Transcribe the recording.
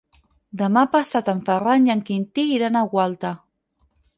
Demà passat en Ferran i en Quintí iran a Gualta.